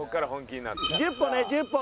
１０歩ね１０歩。